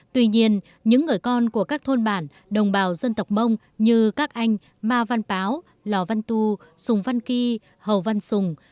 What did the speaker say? tuy nhiên những người con của các thôn bản đồng bào dân tộc mông như các anh ma văn báo lò văn tu sùng văn kỳ hầu văn sùng